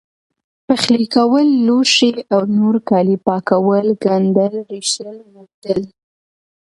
پخلی کول لوښي او نور کالي پاکول، ګنډل، رېشل، ووبدل،